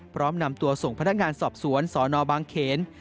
พร้อมนำตัวส่งพนักงานสอบสวนสนบางเขน